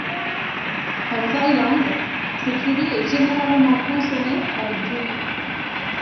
En Thaïlande, ce curry est généralement consommé avec du riz.